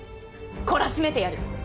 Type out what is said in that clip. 懲らしめてやる！